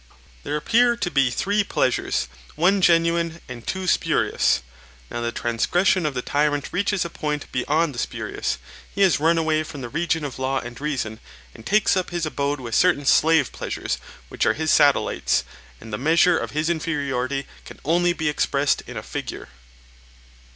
There appear to be three pleasures, one genuine and two spurious: now the transgression of the tyrant reaches a point beyond the spurious; he has run away from the region of law and reason, and taken up his abode with certain slave pleasures which are his satellites, and the measure of his inferiority can only be expressed in a figure.